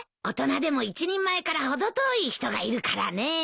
大人でも一人前から程遠い人がいるからね。